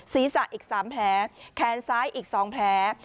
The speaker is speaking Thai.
ศีรษะอีกสามแผลแค้นซ้ายอีกสองแผล